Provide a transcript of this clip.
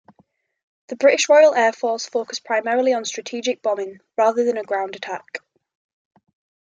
The British Royal Air Force focused primarily on strategic bombing, rather than ground attack.